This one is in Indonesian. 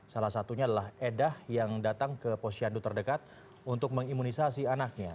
salah satunya adalah edah yang datang ke posyandu terdekat untuk mengimunisasi anaknya